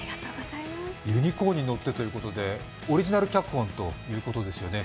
「ユニコーンに乗って」ということでオリジナル脚本ですよね。